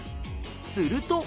すると。